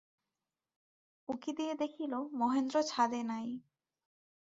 উঁকি দিয়া দেখিল, মহেন্দ্র ছাদে নাই।